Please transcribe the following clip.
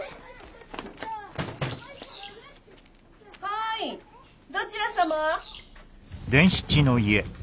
・はいどちら様？